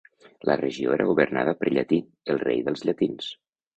La regió era governada per Llatí, el rei dels llatins.